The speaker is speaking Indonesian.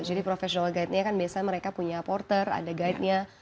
jadi professional guide nya kan biasanya mereka punya porter ada guide nya